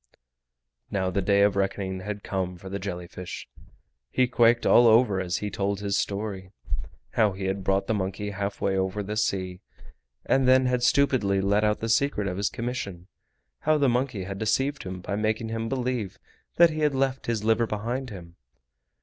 Now the day of reckoning had come for the jelly fish. He quaked all over as he told his story. How he had brought the monkey halfway over the sea, and then had stupidly let out the secret of his commission; how the monkey had deceived him by making him believe that he had left his liver behind him.